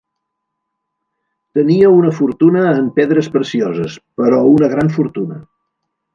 Tenia una fortuna en pedres precioses, però una gran fortuna!